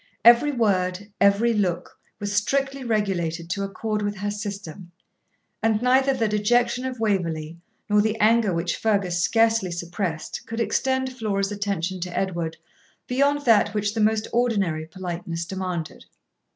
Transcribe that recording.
Every word, every look, was strictly regulated to accord with her system, and neither the dejection of Waverley nor the anger which Fergus scarcely suppressed could extend Flora's attention to Edward beyond that which the most ordinary politeness demanded.